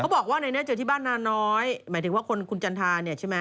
คุณบอกว่าเจอที่บ้านนานน้อยหมายถึงว่าคนคุณจันทราใช่ไหม